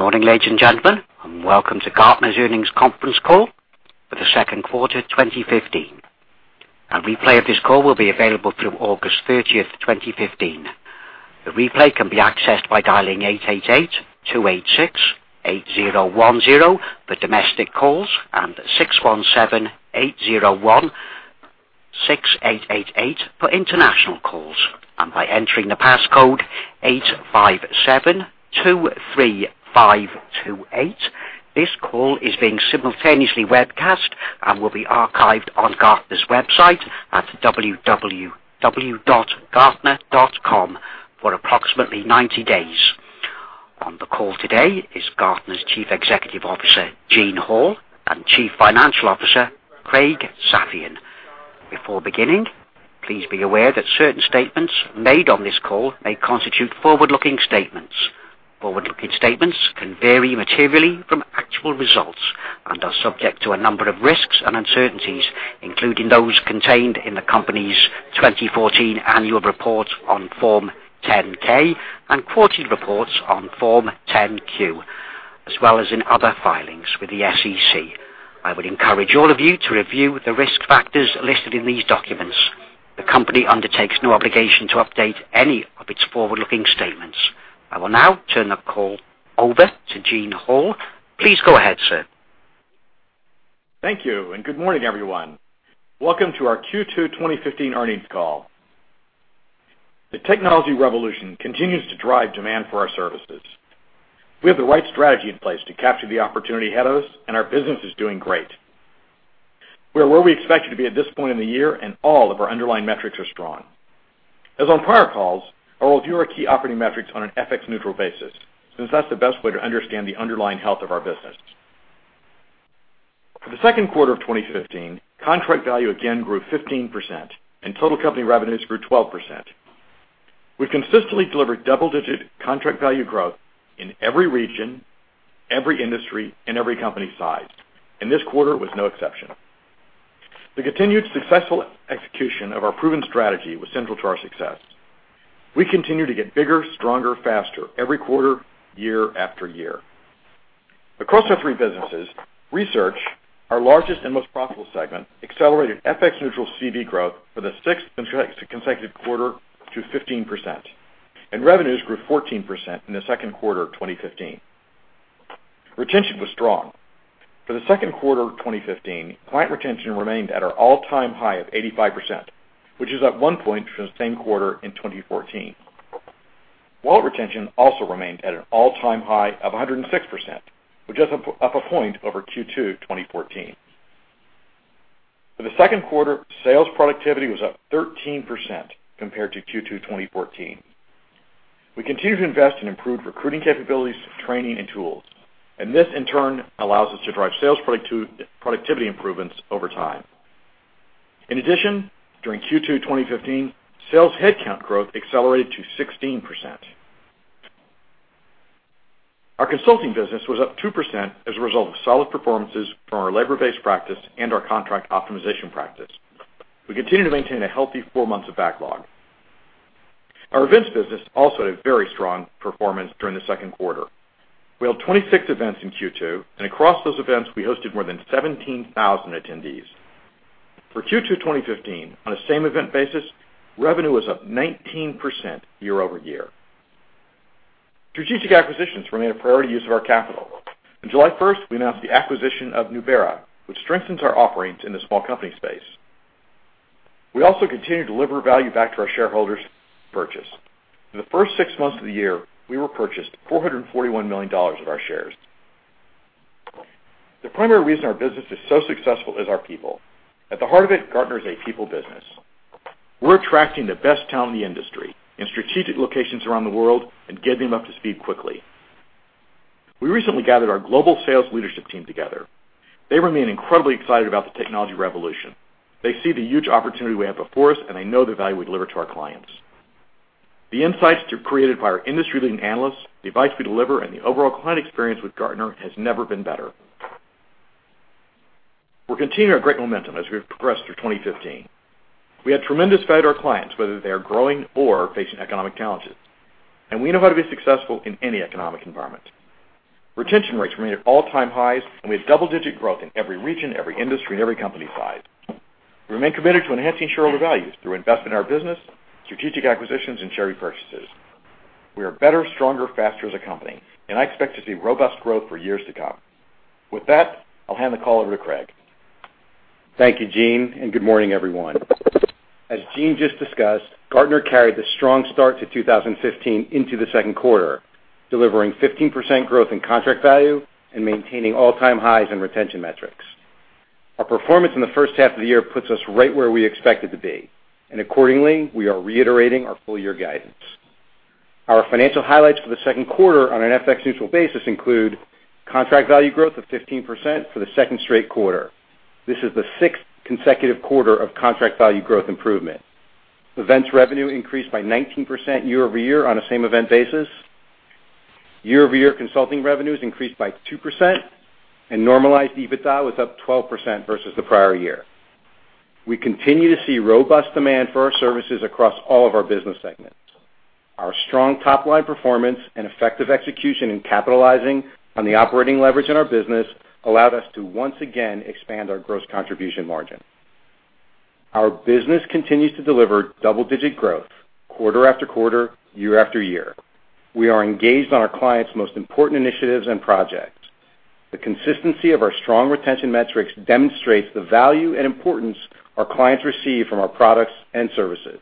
Good morning, ladies and gentlemen, and welcome to Gartner's earnings conference call for the second quarter 2015. A replay of this call will be available through August 30th, 2015. The replay can be accessed by dialing 888-286-8010 for domestic calls and 617-801-6888 for international calls, and by entering the passcode 85723528. This call is being simultaneously webcast and will be archived on gartner.com for approximately 90 days. On the call today is Gartner's Chief Executive Officer, Gene Hall, and Chief Financial Officer, Craig Safian. Before beginning, please be aware that certain statements made on this call may constitute forward-looking statements. Forward-looking statements can vary materially from actual results and are subject to a number of risks and uncertainties, including those contained in the company's 2014 annual report on Form 10-K and quarterly reports on Form 10-Q, as well as in other filings with the SEC. I would encourage all of you to review the risk factors listed in these documents. The company undertakes no obligation to update any of its forward-looking statements. I will now turn the call over to Gene Hall. Please go ahead, sir. Thank you, and good morning, everyone. Welcome to our Q2 2015 earnings call. The technology revolution continues to drive demand for our services. We have the right strategy in place to capture the opportunity ahead of us, and our business is doing great. We are where we expected to be at this point in the year, and all of our underlying metrics are strong. As on prior calls, I will review our key operating metrics on an FX neutral basis, since that's the best way to understand the underlying health of our business. For the second quarter of 2015, contract value again grew 15%, and total company revenues grew 12%. We've consistently delivered double-digit contract value growth in every region, every industry, and every company size, and this quarter was no exception. The continued successful execution of our proven strategy was central to our success. We continue to get bigger, stronger, faster every quarter, year after year. Across our three businesses, research, our largest and most profitable segment, accelerated FX neutral CV growth for the sixth consecutive quarter to 15%, and revenues grew 14% in the second quarter of 2015. Retention was strong. For the second quarter of 2015, client retention remained at our all-time high of 85%, which is up one point from the same quarter in 2014. Wallet retention also remained at an all-time high of 106%, which is up a point over Q2 2014. For the second quarter, sales productivity was up 13% compared to Q2 2014. We continue to invest in improved recruiting capabilities, training, and tools, and this, in turn, allows us to drive sales productivity improvements over time. In addition, during Q2 2015, sales headcount growth accelerated to 16%. Our consulting business was up 2% as a result of solid performances from our labor-based practice and our contract optimization practice. We continue to maintain a healthy four months of backlog. Our events business also had a very strong performance during the second quarter. We held 26 events in Q2, and across those events, we hosted more than 17,000 attendees. For Q2 2015, on a same event basis, revenue was up 19% year-over-year. Strategic acquisitions remain a priority use of our capital. On July 1st, we announced the acquisition of Nubera, which strengthens our offerings in the small company space. We also continue to deliver value back to our shareholders purchase. For the first six months of the year, we repurchased $441 million of our shares. The primary reason our business is so successful is our people. At the heart of it, Gartner is a people business. We're attracting the best talent in the industry in strategic locations around the world and getting them up to speed quickly. We recently gathered our global sales leadership team together. They remain incredibly excited about the technology revolution. They see the huge opportunity we have before us, and they know the value we deliver to our clients. The insights created by our industry-leading analysts, the advice we deliver, and the overall client experience with Gartner has never been better. We're continuing our great momentum as we've progressed through 2015. We have tremendous faith our clients, whether they are growing or facing economic challenges, and we know how to be successful in any economic environment. Retention rates remain at all-time highs, and we have double-digit growth in every region, every industry, and every company size. We remain committed to enhancing shareholder values through investment in our business, strategic acquisitions, and share repurchases. We are better, stronger, faster as a company, I expect to see robust growth for years to come. With that, I'll hand the call over to Craig. Thank you, Gene, and good morning, everyone. As Gene just discussed, Gartner carried the strong start to 2015 into the second quarter, delivering 15% growth in contract value and maintaining all-time highs in retention metrics. Our performance in the first half of the year puts us right where we expected to be, accordingly, we are reiterating our full year guidance. Our financial highlights for the second quarter on an FX neutral basis include contract value growth of 15% for the second straight quarter. This is the sixth consecutive quarter of contract value growth improvement. Events revenue increased by 19% year-over-year on a same event basis. Year-over-year consulting revenues increased by 2%, normalized EBITDA was up 12% versus the prior year. We continue to see robust demand for our services across all of our business segments. Our strong top-line performance and effective execution in capitalizing on the operating leverage in our business allowed us to once again expand our gross contribution margin. Our business continues to deliver double-digit growth quarter after quarter, year after year. We are engaged on our clients' most important initiatives and projects. The consistency of our strong retention metrics demonstrates the value and importance our clients receive from our products and services.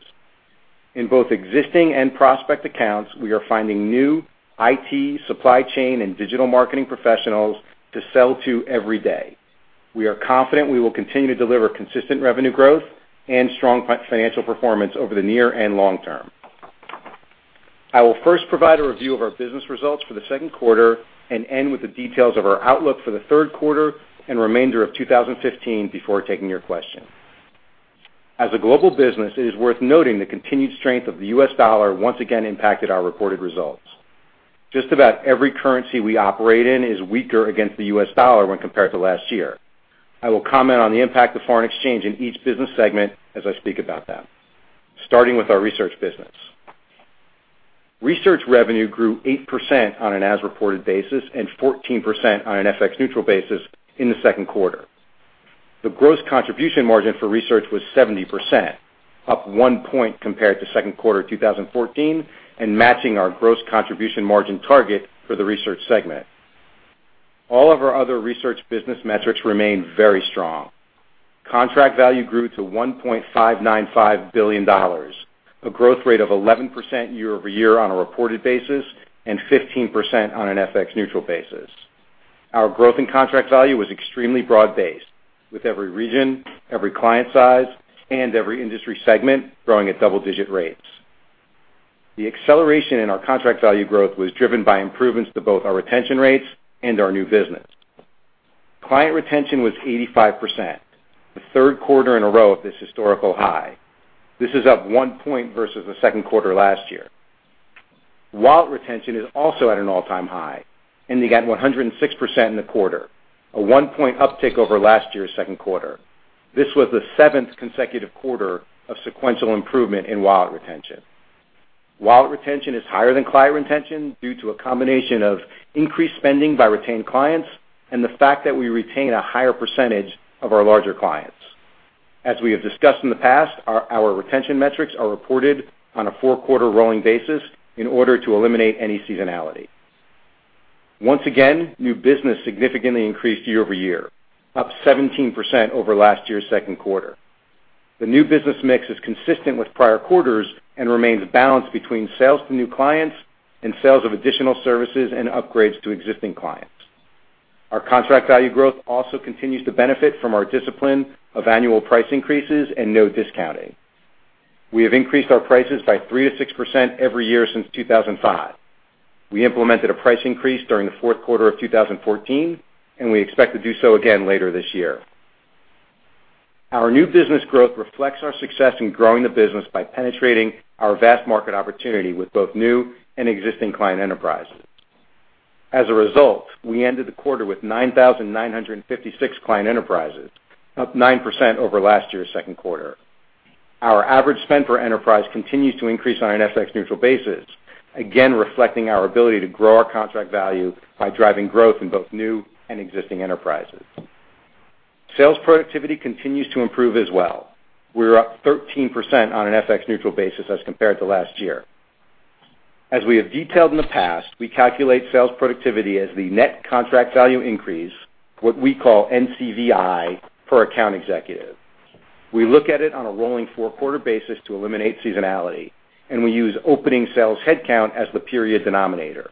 In both existing and prospect accounts, we are finding new IT supply chain and digital marketing professionals to sell to every day. We are confident we will continue to deliver consistent revenue growth and strong financial performance over the near and long term. I will first provide a review of our business results for the second quarter and end with the details of our outlook for the third quarter and remainder of 2015 before taking your questions. As a global business, it is worth noting the continued strength of the US dollar once again impacted our reported results. Just about every currency we operate in is weaker against the US dollar when compared to last year. I will comment on the impact of foreign exchange in each business segment as I speak about them. Starting with our research business. Research revenue grew 8% on an as-reported basis and 14% on an FX-neutral basis in the second quarter. The gross contribution margin for research was 70%, up one point compared to second quarter 2014 and matching our gross contribution margin target for the research segment. All of our other research business metrics remain very strong. Contract value grew to $1.595 billion, a growth rate of 11% year-over-year on a reported basis and 15% on an FX-neutral basis. Our growth in contract value was extremely broad-based, with every region, every client size, and every industry segment growing at double-digit rates. The acceleration in our contract value growth was driven by improvements to both our retention rates and our new business. Client retention was 85%, the third quarter in a row of this historical high. This is up one point versus the second quarter last year. Wallet retention is also at an all-time high, ending at 106% in the quarter, a one-point uptick over last year's second quarter. This was the seventh consecutive quarter of sequential improvement in wallet retention. Wallet retention is higher than client retention due to a combination of increased spending by retained clients and the fact that we retain a higher percentage of our larger clients. As we have discussed in the past, our retention metrics are reported on a four-quarter rolling basis in order to eliminate any seasonality. Once again, new business significantly increased year-over-year, up 17% over last year's second quarter. The new business mix is consistent with prior quarters and remains balanced between sales to new clients and sales of additional services and upgrades to existing clients. Our contract value growth also continues to benefit from our discipline of annual price increases and no discounting. We have increased our prices by 3%-6% every year since 2005. We implemented a price increase during the fourth quarter of 2014, and we expect to do so again later this year. Our new business growth reflects our success in growing the business by penetrating our vast market opportunity with both new and existing client enterprises. As a result, we ended the quarter with 9,956 client enterprises, up 9% over last year's second quarter. Our average spend per enterprise continues to increase on an FX-neutral basis, again reflecting our ability to grow our contract value by driving growth in both new and existing enterprises. Sales productivity continues to improve as well. We're up 13% on an FX-neutral basis as compared to last year. As we have detailed in the past, we calculate sales productivity as the net contract value increase, what we call NCVI, per account executive. We look at it on a rolling four-quarter basis to eliminate seasonality, and we use opening sales headcount as the period denominator.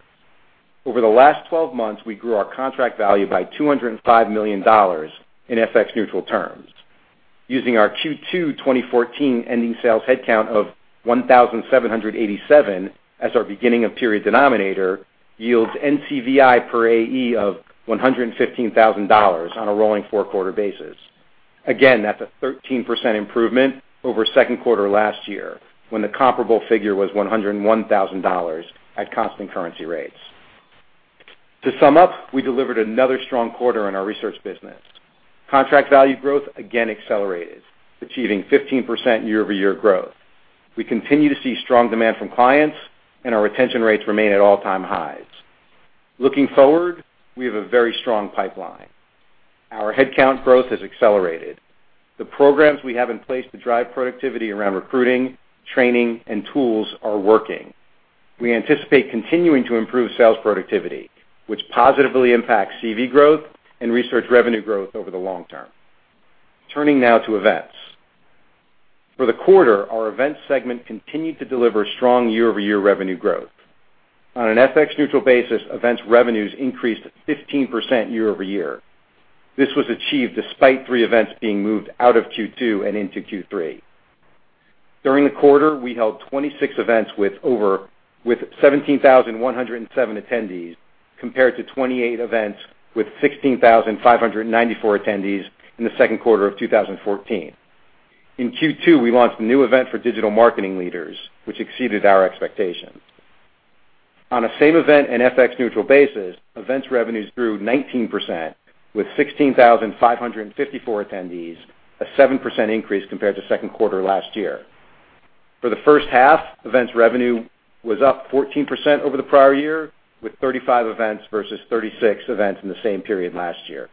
Over the last 12 months, we grew our contract value by $205 million in FX-neutral terms. Using our Q2 2014 ending sales headcount of 1,787 as our beginning-of-period denominator yields NCVI per AE of $115,000 on a rolling four-quarter basis. Again, that's a 13% improvement over second quarter last year, when the comparable figure was $101,000 at constant currency rates. To sum up, we delivered another strong quarter in our research business. Contract value growth again accelerated, achieving 15% year-over-year growth. We continue to see strong demand from clients, and our retention rates remain at all-time highs. Looking forward, we have a very strong pipeline. Our headcount growth has accelerated. The programs we have in place to drive productivity around recruiting, training, and tools are working. We anticipate continuing to improve sales productivity, which positively impacts CV growth and research revenue growth over the long term. Turning now to events. For the quarter, our event segment continued to deliver strong year-over-year revenue growth. On an FX-neutral basis, events revenues increased 15% year-over-year. This was achieved despite three events being moved out of Q2 and into Q3. During the quarter, we held 26 events with 17,107 attendees, compared to 28 events with 16,594 attendees in the second quarter of 2014. In Q2, we launched a new event for digital marketing leaders, which exceeded our expectations. On a same event and FX-neutral basis, events revenues grew 19%, with 16,554 attendees, a 7% increase compared to second quarter last year. For the first half, events revenue was up 14% over the prior year, with 35 events versus 36 events in the same period last year.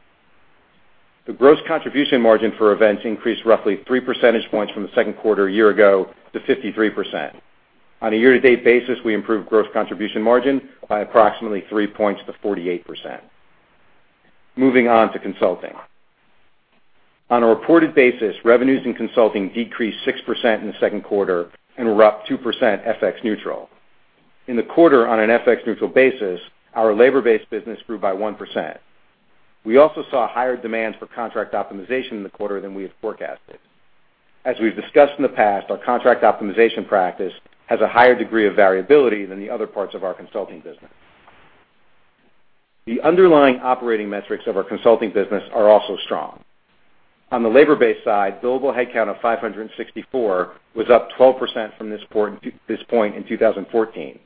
The gross contribution margin for events increased roughly three percentage points from the second quarter a year ago to 53%. On a year-to-date basis, we improved gross contribution margin by approximately three points to 48%. Moving on to consulting. On a reported basis, revenues in consulting decreased 6% in the second quarter and were up 2% FX-neutral. In the quarter, on an FX-neutral basis, our labor-based business grew by 1%. We also saw higher demands for contract optimization in the quarter than we had forecasted. As we've discussed in the past, our contract optimization practice has a higher degree of variability than the other parts of our consulting business. The underlying operating metrics of our consulting business are also strong. On the labor-based side, billable headcount of 564 was up 12% from this point in 2014.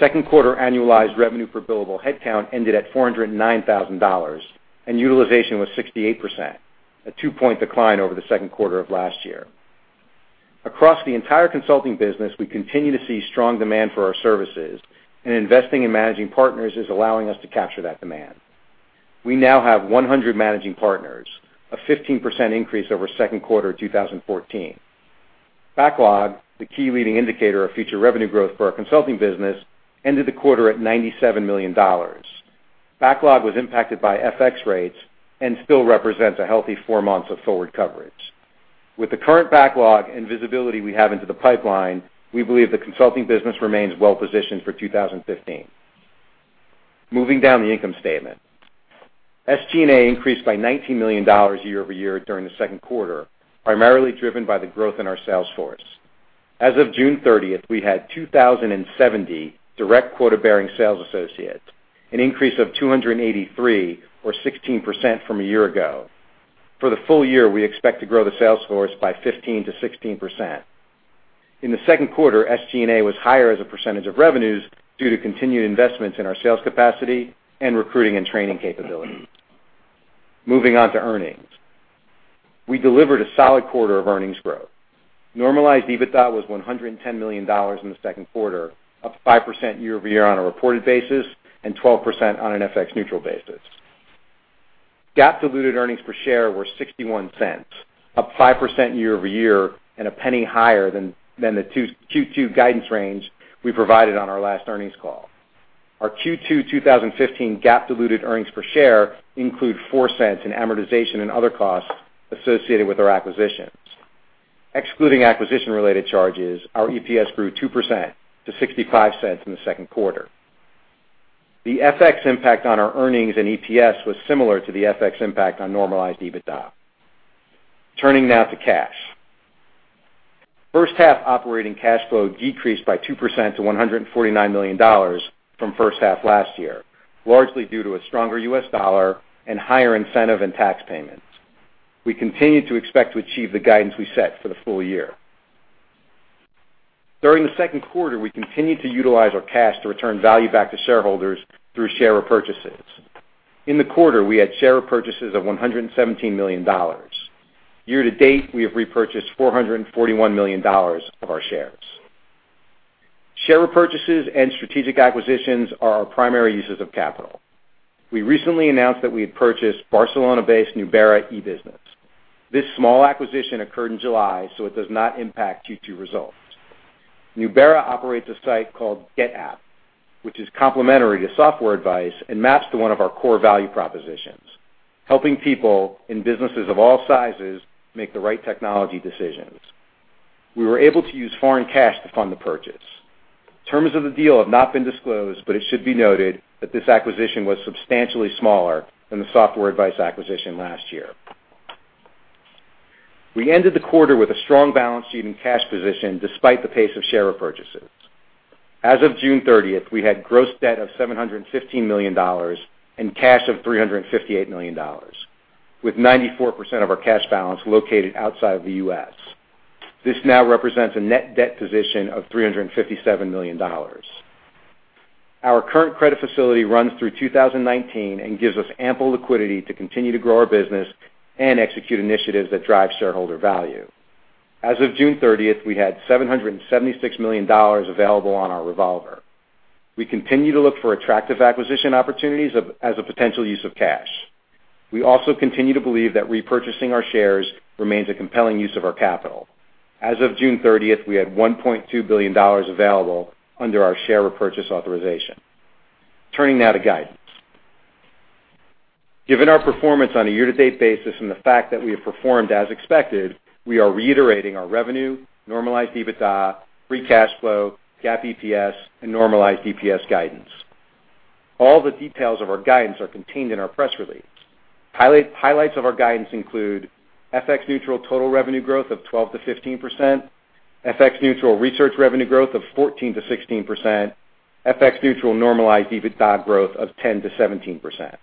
Second quarter annualized revenue per billable headcount ended at $409,000, and utilization was 68%, a two-point decline over the second quarter of last year. Across the entire consulting business, we continue to see strong demand for our services, investing in managing partners is allowing us to capture that demand. We now have 100 managing partners, a 15% increase over second quarter 2014. Backlog, the key leading indicator of future revenue growth for our consulting business, ended the quarter at $97 million. Backlog was impacted by FX rates and still represents a healthy four months of forward coverage. With the current backlog and visibility we have into the pipeline, we believe the consulting business remains well positioned for 2015. Moving down the income statement, SG&A increased by $19 million year-over-year during the second quarter, primarily driven by the growth in our sales force. As of June 30th, we had 2,070 direct quota-bearing sales associates, an increase of 283 or 16% from a year ago. For the full year, we expect to grow the sales force by 15%-16%. In the second quarter, SG&A was higher as a percentage of revenues due to continued investments in our sales capacity and recruiting and training capabilities. Moving on to earnings, we delivered a solid quarter of earnings growth. Normalized EBITDA was $110 million in the second quarter, up 5% year-over-year on a reported basis and 12% on an FX neutral basis. GAAP diluted earnings per share were $0.61, up 5% year-over-year and $0.01 higher than the Q2 guidance range we provided on our last earnings call. Our Q2 2015 GAAP diluted earnings per share include $0.04 in amortization and other costs associated with our acquisitions. Excluding acquisition-related charges, our EPS grew 2% to $0.65 in the second quarter. The FX impact on our earnings and EPS was similar to the FX impact on normalized EBITDA. Turning now to cash, first half operating cash flow decreased by 2% to $149 million from first half last year, largely due to a stronger U.S. dollar and higher incentive and tax payments. We continue to expect to achieve the guidance we set for the full year. During the second quarter, we continued to utilize our cash to return value back to shareholders through share repurchases. In the quarter, we had share repurchases of $117 million. Year-to-date, we have repurchased $441 million of our shares. Share repurchases and strategic acquisitions are our primary uses of capital. We recently announced that we had purchased Barcelona-based Nubera eBusiness. This small acquisition occurred in July, so it does not impact Q2 results. Nubera operates a site called GetApp, which is complementary to Software Advice and maps to one of our core value propositions, helping people in businesses of all sizes make the right technology decisions. We were able to use foreign cash to fund the purchase. Terms of the deal have not been disclosed, it should be noted that this acquisition was substantially smaller than the Software Advice acquisition last year. We ended the quarter with a strong balance sheet and cash position, despite the pace of share repurchases. As of June 30th, we had gross debt of $715 million and cash of $358 million, with 94% of our cash balance located outside of the U.S. This now represents a net debt position of $357 million. Our current credit facility runs through 2019 and gives us ample liquidity to continue to grow our business and execute initiatives that drive shareholder value. As of June 30th, we had $776 million available on our revolver. We continue to look for attractive acquisition opportunities as a potential use of cash. We also continue to believe that repurchasing our shares remains a compelling use of our capital. As of June 30th, we had $1.2 billion available under our share repurchase authorization. Turning now to guidance. Given our performance on a year-to-date basis and the fact that we have performed as expected, we are reiterating our revenue, normalized EBITDA, free cash flow, GAAP EPS, and normalized EPS guidance. All the details of our guidance are contained in our press release. Highlights of our guidance include FX neutral total revenue growth of 12%-15%, FX neutral research revenue growth of 14%-16%, FX neutral normalized EBITDA growth of 10%-17%.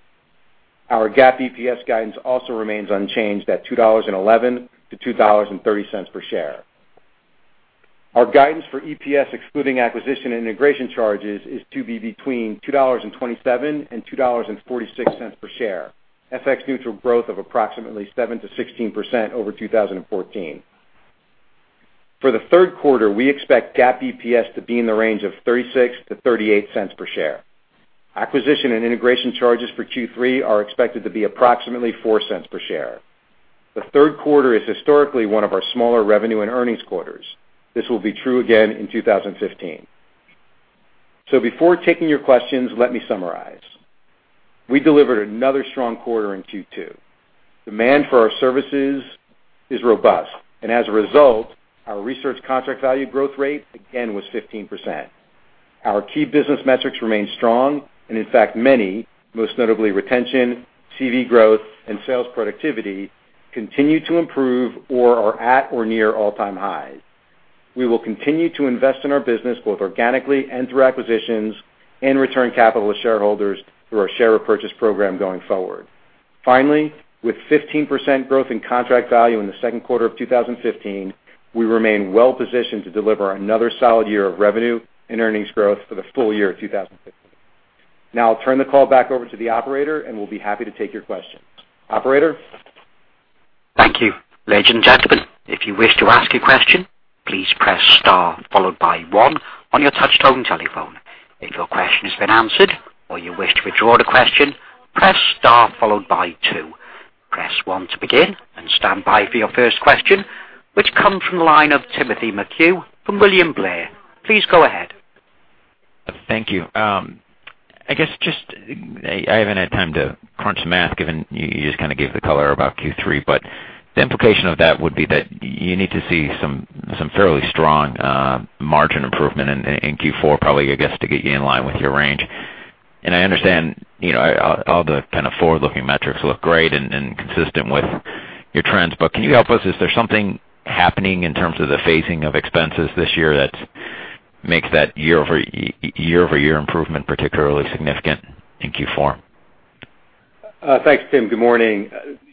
Our GAAP EPS guidance also remains unchanged at $2.11-$2.30 per share. Our guidance for EPS excluding acquisition integration charges is to be between $2.27 and $2.46 per share, FX-neutral growth of approximately 7%-16% over 2014. For the third quarter, we expect GAAP EPS to be in the range of $0.36-$0.38 per share. Acquisition and integration charges for Q3 are expected to be approximately $0.04 per share. The third quarter is historically one of our smaller revenue and earnings quarters. This will be true again in 2015. So before taking your questions, let me summarize. We delivered another strong quarter in Q2. Demand for our services is robust, and as a result, our research contract value growth rate again was 15%. Our key business metrics remain strong, and in fact, many, most notably retention, CV growth, and sales productivity, continue to improve or are at or near all-time highs. We will continue to invest in our business, both organically and through acquisitions, and return capital to shareholders through our share repurchase program going forward. Finally, with 15% growth in contract value in the second quarter of 2015, we remain well-positioned to deliver another solid year of revenue and earnings growth for the full year of 2015. Now I'll turn the call back over to the operator, and we'll be happy to take your questions. Operator? Thank you. Ladies and gentlemen, if you wish to ask your question, please press star followed by one on your touch-tone telephone. If your question has been answered or you wish to withdraw the question, press star followed by two. Press one to begin, and stand by for your first question, which comes from the line of Timothy McHugh from William Blair. Please go ahead. Thank you. I guess just, I haven't had time to crunch the math, given you just kind of gave the color about Q3, but the implication of that would be that you need to see some fairly strong margin improvement in Q4, probably, I guess, to get you in line with your range. I understand all the kind of forward-looking metrics look great and consistent with your trends. Can you help us? Is there something happening in terms of the phasing of expenses this year that makes that year-over-year improvement particularly significant in Q4? Thanks, Tim. Good morning.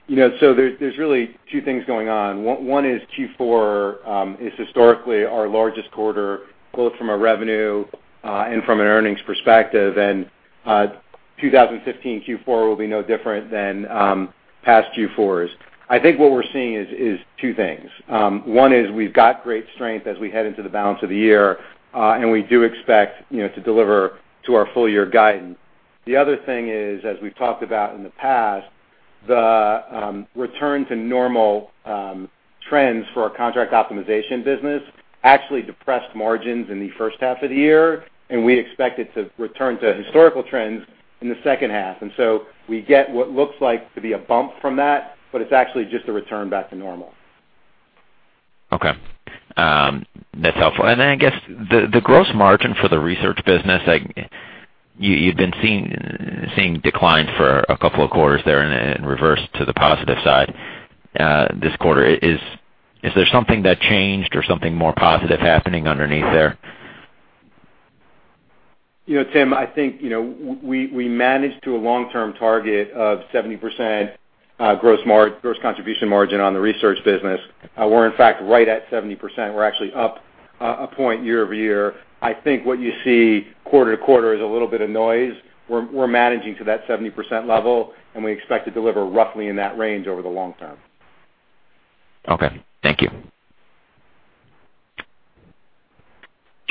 There's really two things going on. One is Q4 is historically our largest quarter, both from a revenue and from an earnings perspective. 2015 Q4 will be no different than past Q4s. I think what we're seeing is two things. One is we've got great strength as we head into the balance of the year. We do expect to deliver to our full-year guidance. The other thing is, as we've talked about in the past, the return to normal trends for our contract optimization business actually depressed margins in the first half of the year. We expect it to return to historical trends in the second half. We get what looks like to be a bump from that. It's actually just a return back to normal. Okay. That's helpful. I guess the gross margin for the research business, you've been seeing declines for a couple of quarters there and it reversed to the positive side this quarter. Is there something that changed or something more positive happening underneath there? Tim, I think, we manage to a long-term target of 70% gross contribution margin on the research business. We're in fact, right at 70%. We're actually up a point year-over-year. I think what you see quarter-to-quarter is a little bit of noise. We're managing to that 70% level. We expect to deliver roughly in that range over the long term. Okay. Thank you.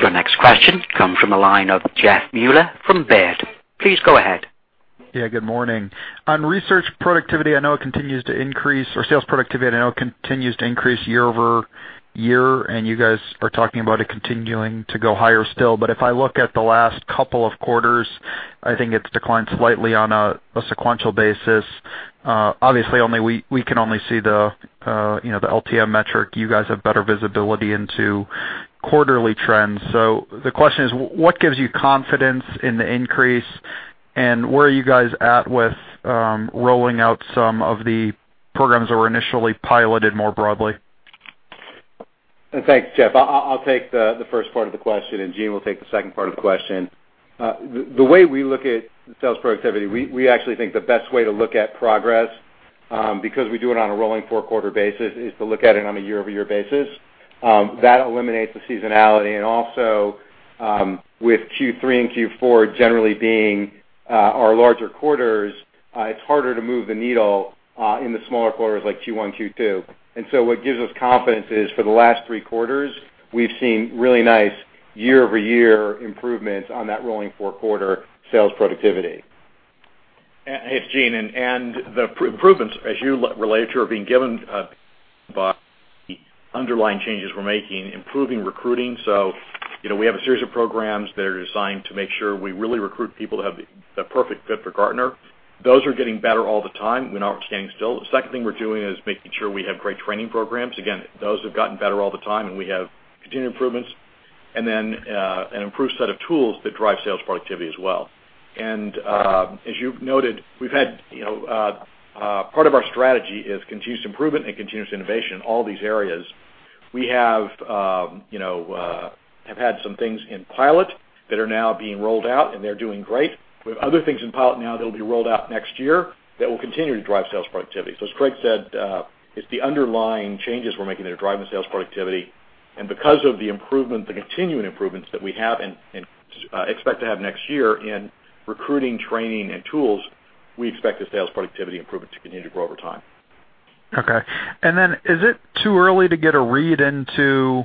Your next question comes from the line of Jeffrey Meuler from Baird. Please go ahead. Yeah, good morning. On research productivity, I know it continues to increase, or sales productivity, I know it continues to increase year-over-year, and you guys are talking about it continuing to go higher still. If I look at the last couple of quarters, I think it's declined slightly on a sequential basis. Obviously, we can only see the LTM metric. You guys have better visibility into quarterly trends. The question is: what gives you confidence in the increase, and where are you guys at with rolling out some of the programs that were initially piloted more broadly? Thanks, Jeff. I'll take the first part of the question, and Gene will take the second part of the question. The way we look at sales productivity, we actually think the best way to look at progress, because we do it on a rolling four-quarter basis, is to look at it on a year-over-year basis. That eliminates the seasonality, and also, with Q3 and Q4 generally being our larger quarters, it's harder to move the needle in the smaller quarters like Q1, Q2. What gives us confidence is for the last three quarters, we've seen really nice year-over-year improvements on that rolling four-quarter sales productivity. It's Gene. The improvements, as you relate to, are being given by the underlying changes we're making, improving recruiting. We have a series of programs that are designed to make sure we really recruit people that have the perfect fit for Gartner. Those are getting better all the time. We're not standing still. The second thing we're doing is making sure we have great training programs. Again, those have gotten better all the time, and we have continued improvements, and then an improved set of tools that drive sales productivity as well. As you've noted, part of our strategy is continuous improvement and continuous innovation in all these areas. We have had some things in pilot that are now being rolled out, and they're doing great. We have other things in pilot now that'll be rolled out next year that will continue to drive sales productivity. As Craig said, it's the underlying changes we're making that are driving sales productivity. Because of the continuing improvements that we have and expect to have next year in recruiting, training, and tools, we expect the sales productivity improvement to continue to grow over time. Okay. Is it too early to get a read into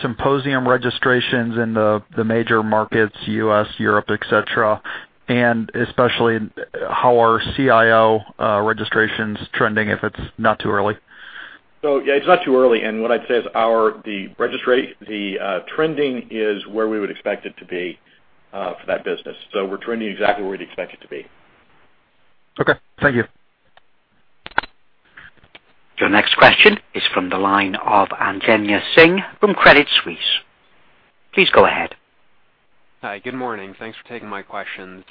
Symposium registrations in the major markets, U.S., Europe, et cetera, and especially how are CIO registrations trending, if it's not too early? Yeah, it's not too early. What I'd say is the trending is where we would expect it to be for that business. We're trending exactly where we'd expect it to be. Okay, thank you. Your next question is from the line of Anjaneya Singh from Credit Suisse. Please go ahead. Hi, good morning. Thanks for taking my questions.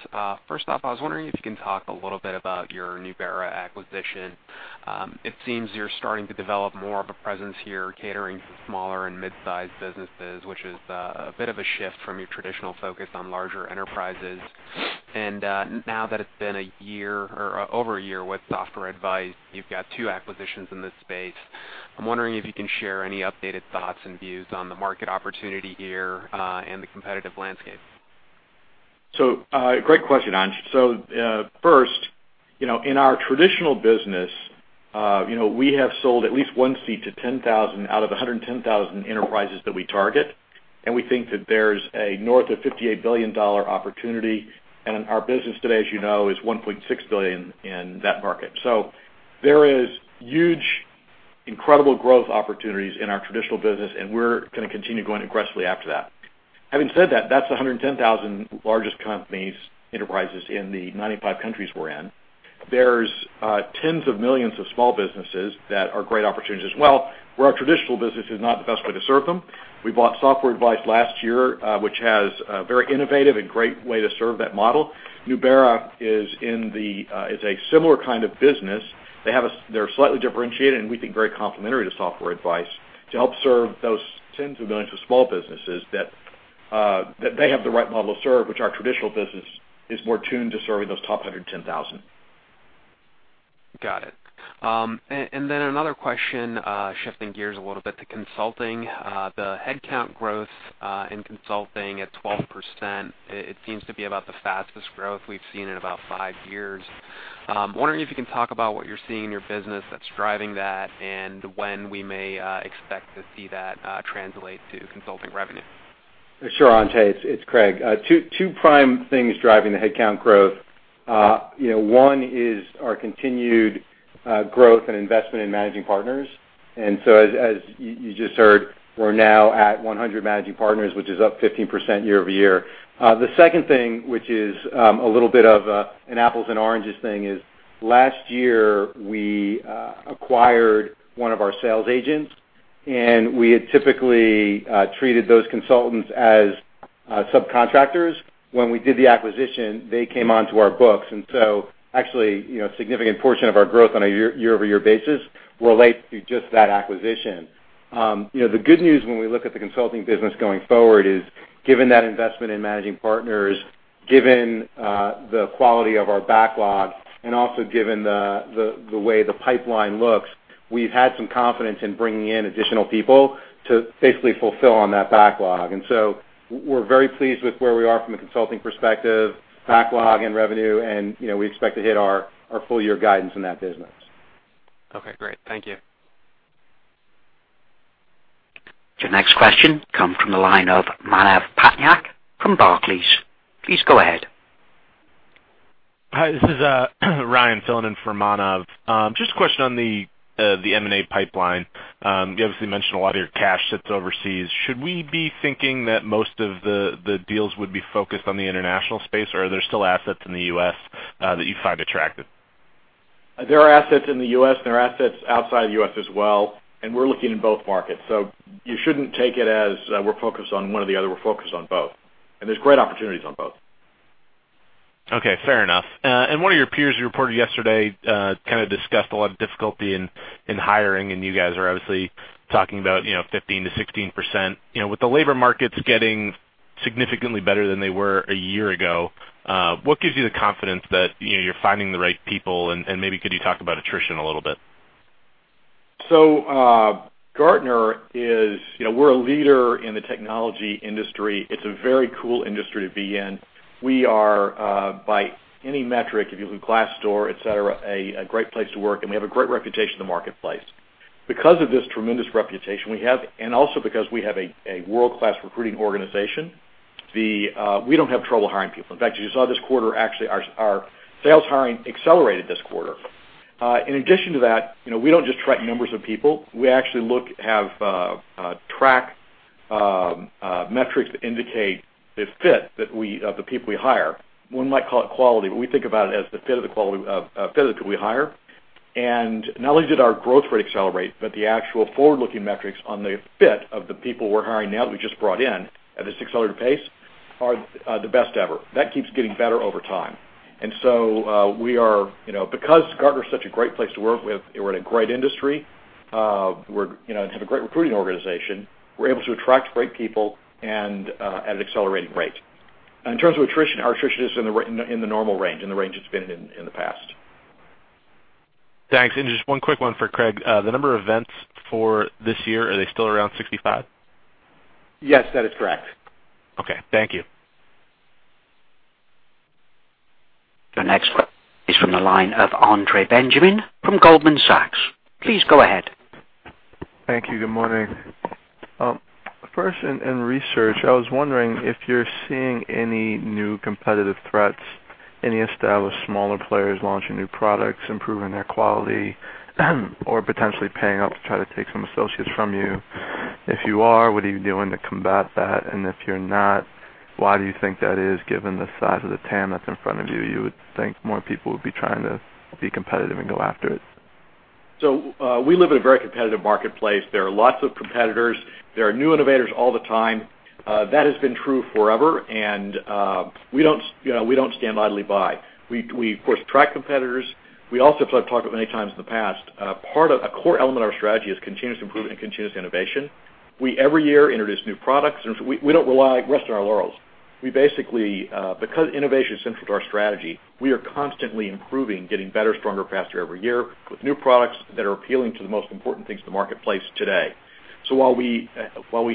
First off, I was wondering if you can talk a little bit about your Nubera acquisition. It seems you're starting to develop more of a presence here catering to smaller and mid-sized businesses, which is a bit of a shift from your traditional focus on larger enterprises. Now that it's been a year or over a year with Software Advice, you've got two acquisitions in this space. I'm wondering if you can share any updated thoughts and views on the market opportunity here, and the competitive landscape. Great question, Anj. First, in our traditional business, we have sold at least one seat to 10,000 out of 110,000 enterprises that we target, and we think that there's a north of $58 billion opportunity, and our business today, as you know, is $1.6 billion in that market. There is huge, incredible growth opportunities in our traditional business, and we're going to continue going aggressively after that. Having said that's the 110,000 largest companies, enterprises in the 95 countries we're in. There's tens of millions of small businesses that are great opportunities as well, where our traditional business is not the best way to serve them. We bought Software Advice last year, which has a very innovative and great way to serve that model. Nubera is a similar kind of business. They're slightly differentiated. We think very complementary to Software Advice to help serve those tens of millions of small businesses that they have the right model to serve, which our traditional business is more tuned to serving those top 110,000. Got it. Another question, shifting gears a little bit to consulting. The headcount growth in consulting at 12%, it seems to be about the fastest growth we've seen in about five years. I'm wondering if you can talk about what you're seeing in your business that's driving that, and when we may expect to see that translate to consulting revenue. Sure, Anj. It's Craig. Two prime things driving the headcount growth. One is our continued growth and investment in managing partners. As you just heard, we're now at 100 managing partners, which is up 15% year-over-year. The second thing, which is a little bit of an apples and oranges thing, is last year we acquired one of our sales agents. We had typically treated those consultants as subcontractors. When we did the acquisition, they came onto our books. Actually, a significant portion of our growth on a year-over-year basis relates to just that acquisition. The good news when we look at the consulting business going forward is, given that investment in managing partners, given the quality of our backlog, also given the way the pipeline looks, we've had some confidence in bringing in additional people to basically fulfill on that backlog. We're very pleased with where we are from a consulting perspective, backlog, and revenue. We expect to hit our full-year guidance in that business. Okay, great. Thank you. Your next question comes from the line of Manav Patnaik from Barclays. Please go ahead. Hi, this is Ryan filling in for Manav. Just a question on the M&A pipeline. You obviously mentioned a lot of your cash sits overseas. Should we be thinking that most of the deals would be focused on the international space, or are there still assets in the U.S. that you find attractive? There are assets in the U.S., there are assets outside the U.S. as well. We're looking in both markets. You shouldn't take it as we're focused on one or the other. We're focused on both, there's great opportunities on both. Okay, fair enough. One of your peers who reported yesterday kind of discussed a lot of difficulty in hiring, and you guys are obviously talking about 15%-16%. With the labor markets getting significantly better than they were a year ago, what gives you the confidence that you're finding the right people, and maybe could you talk about attrition a little bit? Gartner, we're a leader in the technology industry. It's a very cool industry to be in. We are, by any metric, if you look at Glassdoor, et cetera, a great place to work, and we have a great reputation in the marketplace. Because of this tremendous reputation we have, and also because we have a world-class recruiting organization, we don't have trouble hiring people. In fact, you just saw this quarter, actually, our sales hiring accelerated this quarter. In addition to that, we don't just track numbers of people. We actually track metrics that indicate the fit of the people we hire. One might call it quality, but we think about it as the fit of the people we hire. Not only did our growth rate accelerate, but the actual forward-looking metrics on the fit of the people we're hiring now that we just brought in at this accelerated pace are the best ever. That keeps getting better over time. Because Gartner is such a great place to work, we're in a great industry, and have a great recruiting organization, we're able to attract great people and at an accelerating rate. In terms of attrition, our attrition is in the normal range, in the range it's been in the past. Thanks. Just one quick one for Craig. The number of events for this year, are they still around 65? Yes, that is correct. Okay, thank you. Your next is from the line of Andre Benjamin from Goldman Sachs. Please go ahead. Thank you. Good morning. First in research, I was wondering if you're seeing any new competitive threats, any established smaller players launching new products, improving their quality, or potentially paying up to try to take some associates from you. If you are, what are you doing to combat that? If you're not, why do you think that is, given the size of the TAM that's in front of you? You would think more people would be trying to be competitive and go after it. We live in a very competitive marketplace. There are lots of competitors. There are new innovators all the time. That has been true forever, and we don't stand idly by. We, of course, track competitors. We also, as I've talked about many times in the past, a core element of our strategy is continuous improvement and continuous innovation. We, every year, introduce new products, and we don't rest on our laurels. Because innovation is central to our strategy, we are constantly improving, getting better, stronger, faster every year, with new products that are appealing to the most important things in the marketplace today. While we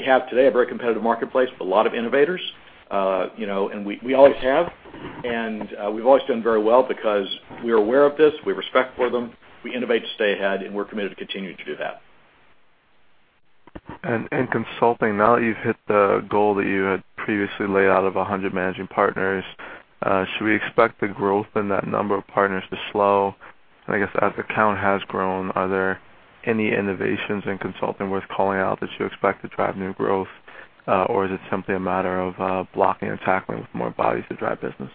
have today a very competitive marketplace with a lot of innovators, and we always have, and we've always done very well because we are aware of this, we have respect for them, we innovate to stay ahead, and we're committed to continuing to do that. In consulting, now that you've hit the goal that you had previously laid out of 100 managing partners, should we expect the growth in that number of partners to slow? I guess, as the count has grown, are there any innovations in consulting worth calling out that you expect to drive new growth? Is it simply a matter of blocking and tackling with more bodies to drive business?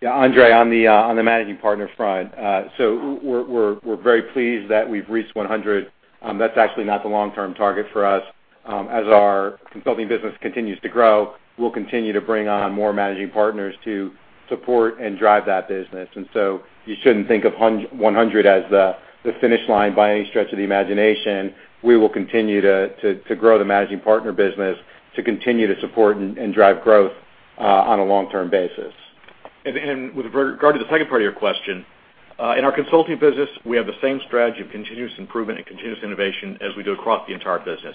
Yeah, Andre, on the managing partner front, so we're very pleased that we've reached 100. That's actually not the long-term target for us. As our consulting business continues to grow, we'll continue to bring on more managing partners to support and drive that business. You shouldn't think of 100 as the finish line by any stretch of the imagination. We will continue to grow the managing partner business to continue to support and drive growth on a long-term basis. With regard to the second part of your question, in our consulting business, we have the same strategy of continuous improvement and continuous innovation as we do across the entire business.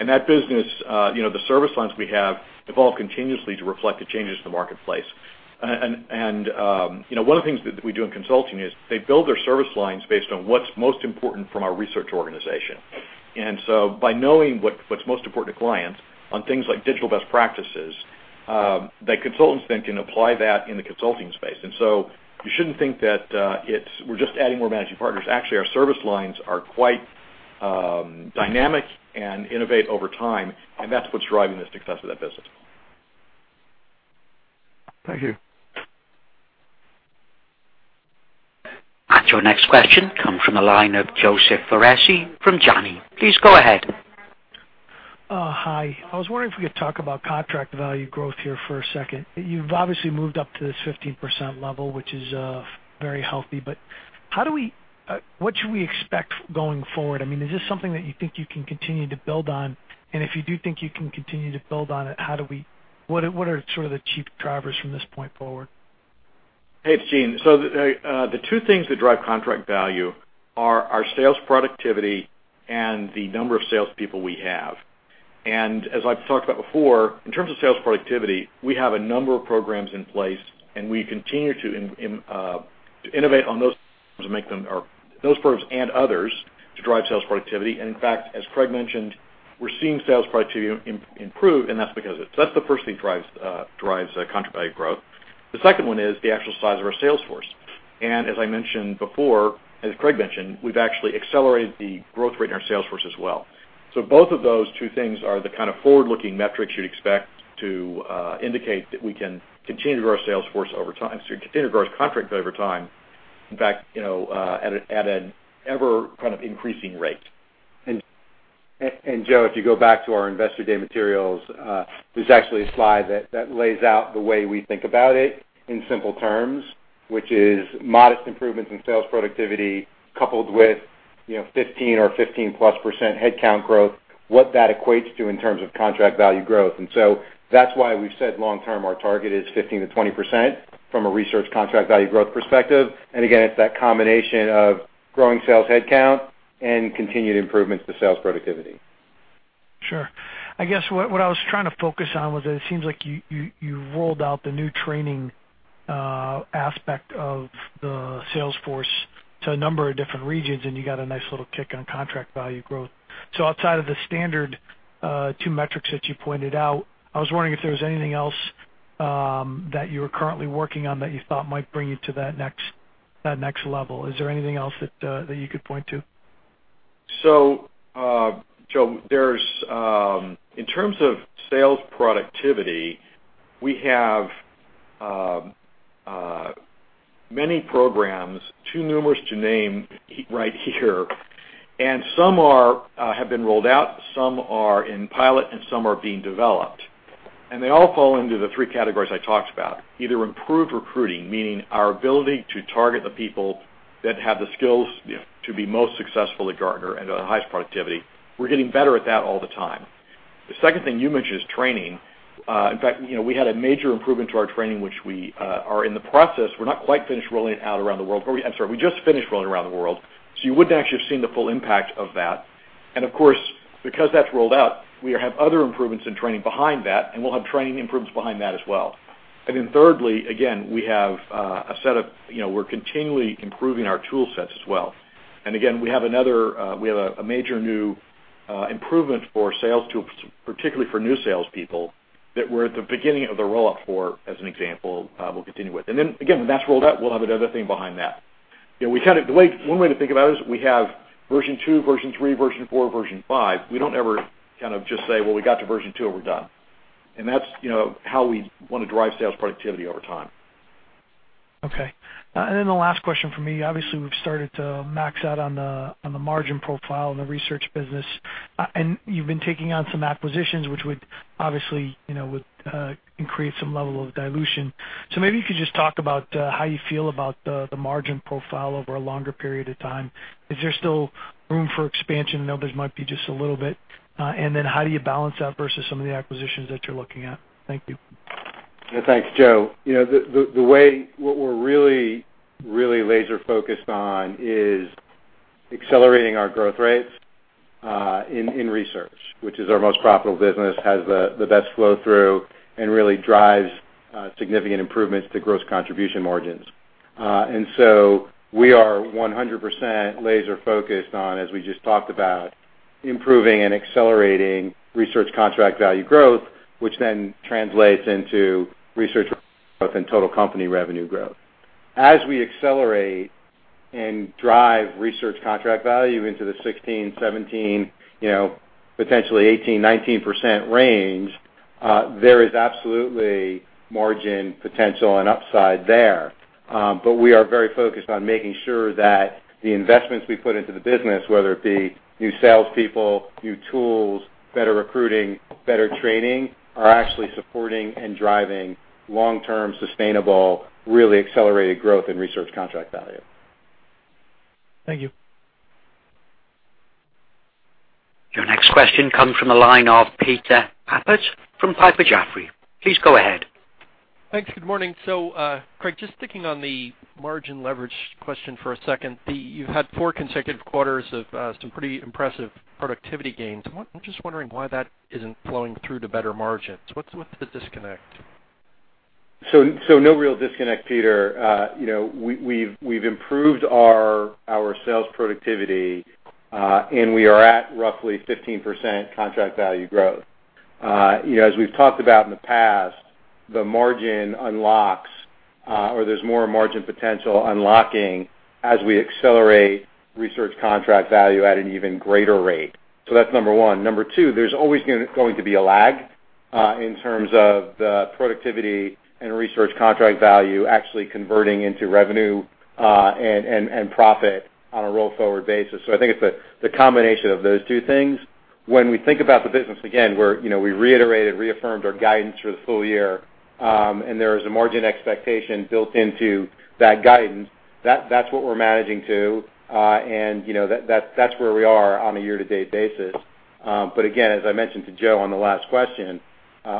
In that business, the service lines we have evolve continuously to reflect the changes in the marketplace. One of the things that we do in consulting is, they build their service lines based on what's most important from our research organization. By knowing what's most important to clients on things like digital best practices, the consultants then can apply that in the consulting space. You shouldn't think that we're just adding more managing partners. Actually, our service lines are quite dynamic and innovate over time, and that's what's driving the success of that business. Thank you. Your next question comes from the line of Joseph Foresi from Janney. Please go ahead. Hi. I was wondering if we could talk about contract value growth here for a second. You've obviously moved up to this 15% level, which is very healthy, but what should we expect going forward? Is this something that you think you can continue to build on? If you do think you can continue to build on it, what are sort of the chief drivers from this point forward? Hey, it's Gene. The two things that drive contract value are our sales productivity and the number of salespeople we have. As I've talked about before, in terms of sales productivity, we have a number of programs in place, and we continue to innovate on those programs and others to drive sales productivity. In fact, as Craig mentioned, we're seeing sales productivity improve, and that's because of it. That's the first thing that drives contract value growth. The second one is the actual size of our sales force. As I mentioned before, as Craig mentioned, we've actually accelerated the growth rate in our sales force as well. Both of those two things are the kind of forward-looking metrics you'd expect to indicate that we can continue to grow our contracts over time. In fact, at an ever-increasing rate. Joe, if you go back to our investor day materials, there's actually a slide that lays out the way we think about it in simple terms, which is modest improvements in sales productivity coupled with 15 or 15%+ head count growth, what that equates to in terms of contract value growth. That's why we've said long-term our target is 15%-20% from a research contract value growth perspective. Again, it's that combination of growing sales headcount and continued improvements to sales productivity. Sure. I guess what I was trying to focus on was that it seems like you rolled out the new training aspect of the sales force to a number of different regions, and you got a nice little kick on contract value growth. Outside of the standard two metrics that you pointed out, I was wondering if there was anything else that you are currently working on that you thought might bring you to that next level. Is there anything else that you could point to? Joe, in terms of sales productivity, we have Many programs, too numerous to name right here. Some have been rolled out, some are in pilot, and some are being developed. They all fall into the three categories I talked about, either improved recruiting, meaning our ability to target the people that have the skills to be most successful at Gartner and the highest productivity. We're getting better at that all the time. The second thing you mentioned is training. In fact, we had a major improvement to our training, which we are in the process. We're not quite finished rolling it out around the world. I'm sorry. We just finished rolling around the world. You wouldn't actually have seen the full impact of that. Of course, because that's rolled out, we have other improvements in training behind that, and we'll have training improvements behind that as well. Thirdly, again, we're continually improving our tool sets as well. Again, we have a major new improvement for sales tools, particularly for new salespeople, that we're at the beginning of the rollout for, as an example, we'll continue with. Again, when that's rolled out, we'll have another thing behind that. One way to think about it is we have version 2, version 3, version 4, version 5. We don't ever just say, "Well, we got to version 2, we're done." That's how we want to drive sales productivity over time. Okay. The last question from me. Obviously, we've started to max out on the margin profile in the research business. You've been taking on some acquisitions, which would obviously create some level of dilution. Maybe you could just talk about how you feel about the margin profile over a longer period of time. Is there still room for expansion? I know this might be just a little bit. How do you balance that versus some of the acquisitions that you're looking at? Thank you. Yeah. Thanks, Joe. What we're really laser-focused on is accelerating our growth rates in research, which is our most profitable business, has the best flow-through, and really drives significant improvements to gross contribution margins. We are 100% laser-focused on, as we just talked about, improving and accelerating research contract value growth, which translates into research growth and total company revenue growth. As we accelerate and drive research contract value into the 16%, 17%, potentially 18%, 19% range, there is absolutely margin potential and upside there. We are very focused on making sure that the investments we put into the business, whether it be new salespeople, new tools, better recruiting, better training, are actually supporting and driving long-term, sustainable, really accelerated growth in research contract value. Thank you. Your next question comes from the line of Peter Appert from Piper Jaffray. Please go ahead. Thanks. Good morning. Craig, just sticking on the margin leverage question for a second. You've had four consecutive quarters of some pretty impressive productivity gains. I'm just wondering why that isn't flowing through to better margins. What's the disconnect? No real disconnect, Peter. We've improved our sales productivity, and we are at roughly 15% contract value growth. As we've talked about in the past, the margin unlocks, or there's more margin potential unlocking as we accelerate research contract value at an even greater rate. That's number 1. Number 2, there's always going to be a lag in terms of the productivity and research contract value actually converting into revenue and profit on a roll-forward basis. I think it's the combination of those two things. When we think about the business, again, we reiterated, reaffirmed our guidance for the full year. There is a margin expectation built into that guidance. That's what we're managing to. That's where we are on a year-to-date basis. As I mentioned to Joe on the last question,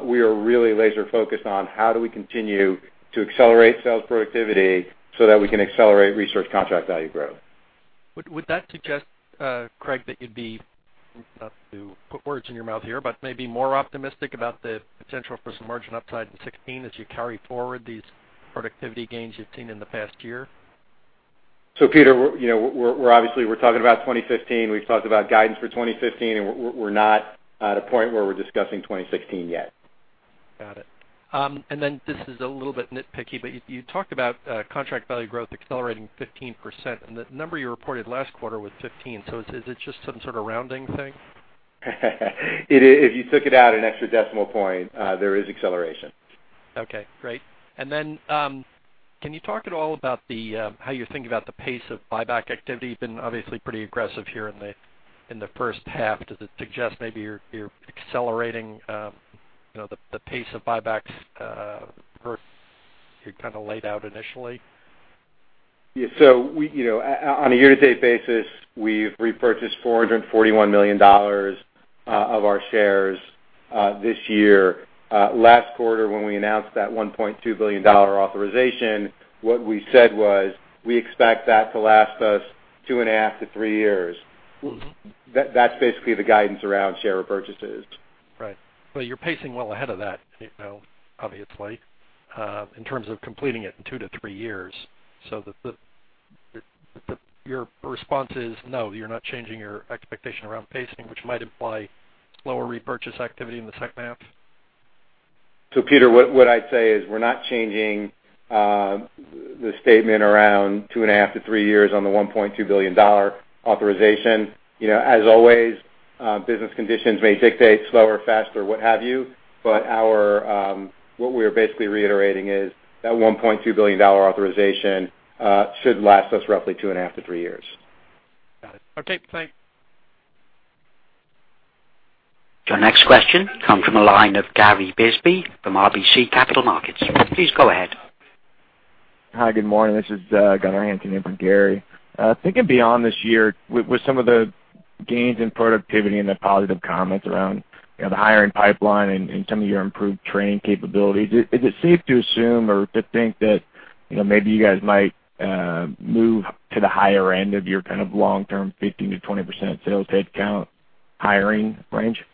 we are really laser-focused on how do we continue to accelerate sales productivity so that we can accelerate research contract value growth. Would that suggest, Craig, that you'd be, not to put words in your mouth here, but maybe more optimistic about the potential for some margin upside in 2016 as you carry forward these productivity gains you've seen in the past year? Peter, obviously we're talking about 2015. We've talked about guidance for 2015, and we're not at a point where we're discussing 2016 yet. Got it. Then this is a little bit nitpicky, you talked about contract value growth accelerating 15%, and the number you reported last quarter was 15, is it just some sort of rounding thing? If you took it out an extra decimal point, there is acceleration. Okay, great. Then can you talk at all about how you think about the pace of buyback activity? You've been obviously pretty aggressive here in the first half. Does it suggest maybe you're accelerating the pace of buybacks you laid out initially? On a year-to-date basis, we've repurchased $441 million of our shares this year. Last quarter, when we announced that $1.2 billion authorization, what we said was we expect that to last us two and a half to three years. That's basically the guidance around share repurchases. Right. You're pacing well ahead of that, obviously, in terms of completing it in 2 to 3 years. Your response is no. You're not changing your expectation around pacing, which might imply lower repurchase activity in the second half? Peter, what I'd say is we're not changing the statement around two and a half to three years on the $1.2 billion authorization. As always, Business conditions may dictate slower, faster, what have you. What we are basically reiterating is that $1.2 billion authorization should last us roughly two and a half to three years. Got it. Okay, thanks. Your next question comes from the line of Gary Bisbee from RBC Capital Markets. Please go ahead. Hi, good morning. This is Gary Bisbee in for Gary. Thinking beyond this year, with some of the gains in productivity and the positive comments around the hiring pipeline and some of your improved training capabilities, is it safe to assume or to think that maybe you guys might move to the higher end of your kind of long-term 15%-20% sales headcount hiring range?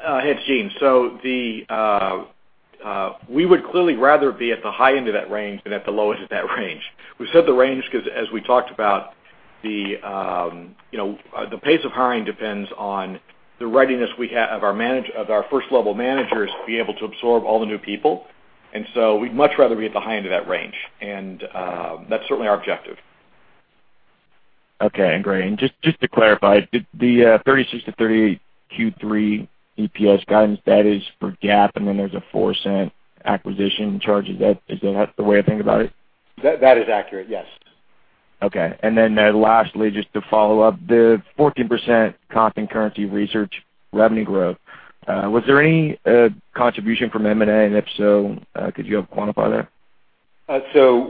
It's Gene. We would clearly rather be at the high end of that range than at the low end of that range. We said the range because as we talked about, the pace of hiring depends on the readiness we have of our first-level managers to be able to absorb all the new people. We'd much rather be at the high end of that range. That's certainly our objective. Okay, great. Just to clarify, the 36-38 Q3 EPS guidance, that is for GAAP, then there's a $0.04 acquisition charge. Is that the way to think about it? That is accurate, yes. Okay. Lastly, just to follow up, the 14% constant currency research revenue growth, was there any contribution from M&A? If so, could you help quantify that?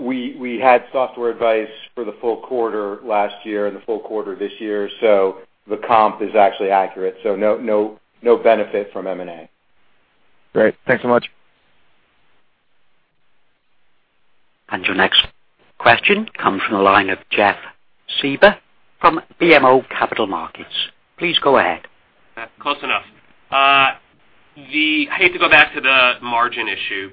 We had Software Advice for the full quarter last year and the full quarter this year. The comp is actually accurate. No benefit from M&A. Great. Thanks so much. Your next question comes from the line of Jeff Silber from BMO Capital Markets. Please go ahead. Close enough. I hate to go back to the margin issue,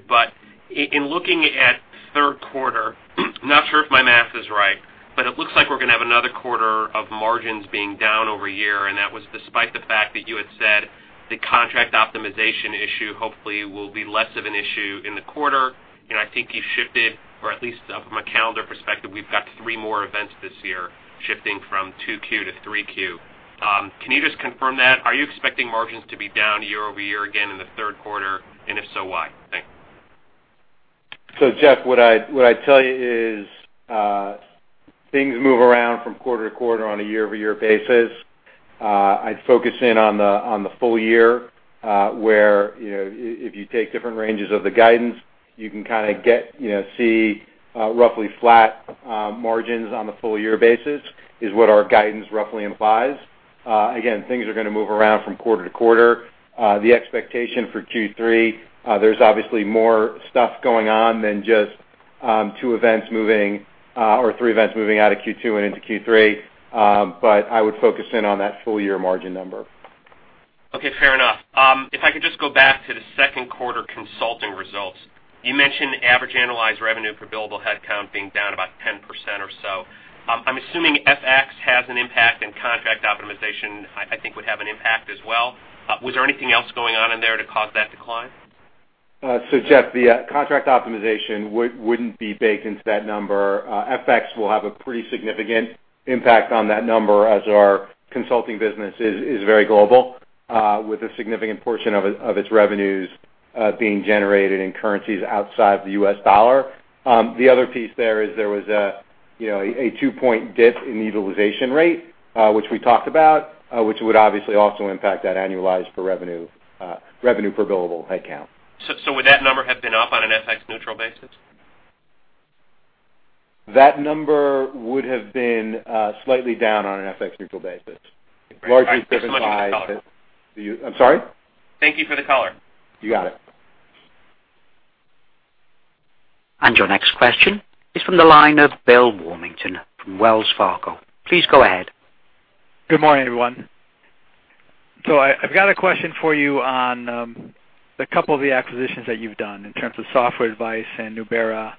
in looking at third quarter, I'm not sure if my math is right, it looks like we're going to have another quarter of margins being down year-over-year, that was despite the fact that you had said the contract optimization issue hopefully will be less of an issue in the quarter. I think you shifted, or at least from a calendar perspective, we've got three more events this year shifting from 2Q to 3Q. Can you just confirm that? Are you expecting margins to be down year-over-year again in the third quarter, if so, why? Thanks. Jeff, what I'd tell you is things move around from quarter to quarter on a year-over-year basis. I'd focus in on the full year, where if you take different ranges of the guidance, you can kind of see roughly flat margins on the full year basis is what our guidance roughly implies. Again, things are going to move around from quarter to quarter. The expectation for Q3, there's obviously more stuff going on than just two events moving or three events moving out of Q2 and into Q3. I would focus in on that full year margin number. Okay, fair enough. If I could just go back to the second quarter consulting results. You mentioned average annualized revenue per billable headcount being down about 10% or so. I'm assuming FX has an impact and contract optimization, I think, would have an impact as well. Was there anything else going on in there to cause that decline? Jeff, the contract optimization wouldn't be baked into that number. FX will have a pretty significant impact on that number as our consulting business is very global with a significant portion of its revenues being generated in currencies outside the U.S. dollar. The other piece there is there was a two-point dip in the utilization rate, which we talked about, which would obviously also impact that annualized revenue per billable headcount. Would that number have been up on an FX neutral basis? That number would have been slightly down on an FX neutral basis. All right. Thanks so much for the color. Largely driven by I'm sorry? Thank you for the color. You got it. Your next question is from the line of Bill Warmington from Wells Fargo. Please go ahead. Good morning, everyone. I've got a question for you on a couple of the acquisitions that you've done in terms of Software Advice and Nubera.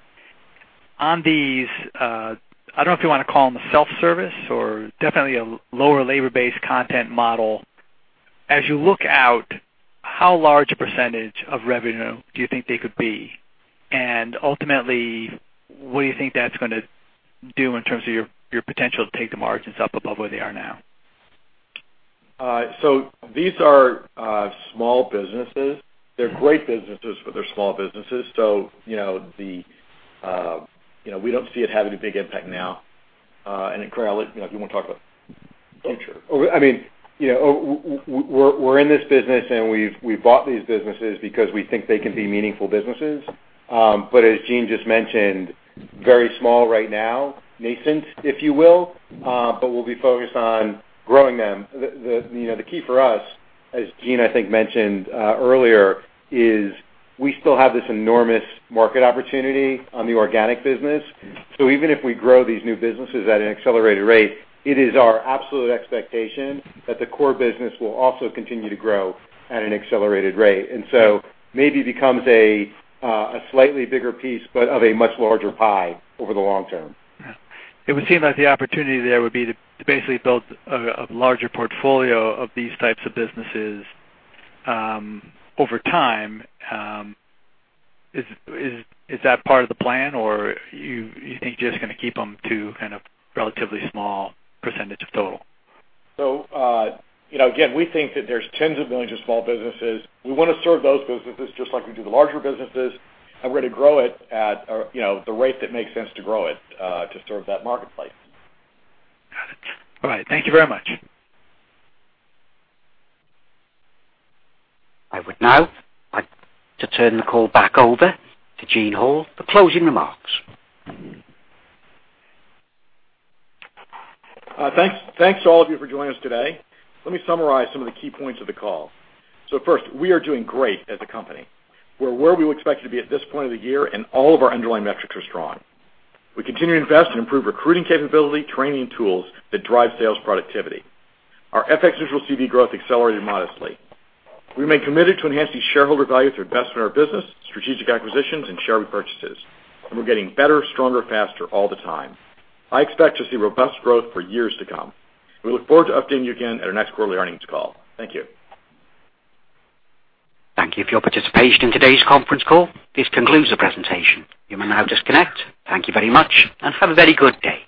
These, I don't know if you want to call them a self-service or definitely a lower labor-based content model. As you look out, how large a percentage of revenue do you think they could be? Ultimately, what do you think that's going to do in terms of your potential to take the margins up above where they are now? These are small businesses. They're great businesses, but they're small businesses. We don't see it having a big impact now. Then, Craig, if you want to talk about the future. We're in this business, and we've bought these businesses because we think they can be meaningful businesses. As Gene just mentioned, very small right now, nascent, if you will, but we'll be focused on growing them. The key for us, as Gene I think mentioned earlier, is we still have this enormous market opportunity on the organic business. Even if we grow these new businesses at an accelerated rate, it is our absolute expectation that the core business will also continue to grow at an accelerated rate. Maybe becomes a slightly bigger piece but of a much larger pie over the long term. It would seem like the opportunity there would be to basically build a larger portfolio of these types of businesses over time. Is that part of the plan, or you think you're just going to keep them to kind of relatively small percentage of total? Again, we think that there's tens of millions of small businesses. We want to serve those businesses just like we do the larger businesses, we're going to grow it at the rate that makes sense to grow it to serve that marketplace. Got it. All right. Thank you very much. I would now like to turn the call back over to Gene Hall for closing remarks. Thanks to all of you for joining us today. Let me summarize some of the key points of the call. First, we are doing great as a company. We're where we expect to be at this point of the year, and all of our underlying metrics are strong. We continue to invest in improved recruiting capability, training tools that drive sales productivity. Our FX neutral CV growth accelerated modestly. We remain committed to enhancing shareholder value through investment in our business, strategic acquisitions, and share repurchases. We're getting better, stronger, faster all the time. I expect to see robust growth for years to come. We look forward to updating you again at our next quarterly earnings call. Thank you. Thank you for your participation in today's conference call. This concludes the presentation. You may now disconnect. Thank you very much, and have a very good day.